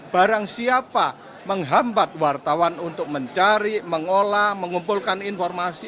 barang siapa menghambat wartawan untuk mencari mengolah mengumpulkan informasi